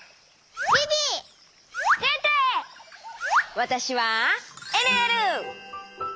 わたしはえるえる！